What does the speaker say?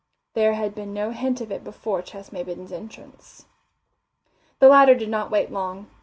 There had been no hint of it before Ches Maybin's entrance. The latter did not wait long.